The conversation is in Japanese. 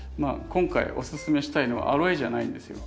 今回おススメしたいのはアロエじゃないんですよ。